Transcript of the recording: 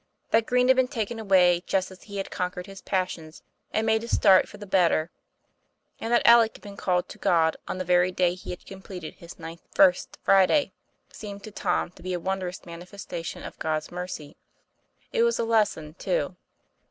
That Green had been taken away just as he had conquered his passions and made a start for the better, and that Alec had been called to God on the very day he had completed his ninth First Friday, seemed to Tom to be a wondrous manifestation of God's mercy. It was a lesson, too.